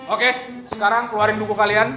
oke sekarang keluarin buku kalian